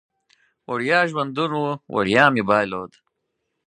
وړیا ژوندون و، وړیا مې بایلود